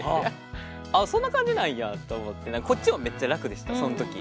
あそんな感じなんやと思ってこっちもめっちゃ楽でしたそん時。